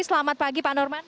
selamat pagi pak norman